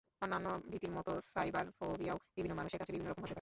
অন্যান্য ভীতির মতো সাইবারফোবিয়াও বিভিন্ন মানুষের কাছে বিভিন্ন রকম হতে পারে।